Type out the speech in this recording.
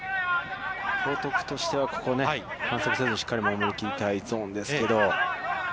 報徳としては、ここは反則せず、守り切りたいゾーンですけど。